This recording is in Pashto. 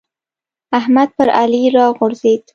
احمد پر علي راغورځېد.